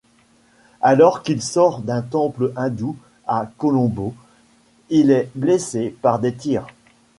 Alors qu'il sort d'un temple hindou à Colombo, il est blessé par des tirs.